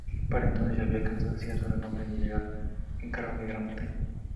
Para entonces ya había alcanzado cierto renombre, y le llegaron encargos de Gran Bretaña.